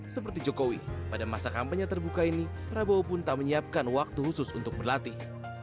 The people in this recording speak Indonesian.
seperti jokowi pada masa kampanye terbuka ini prabowo pun tak menyiapkan waktu khusus untuk berlatih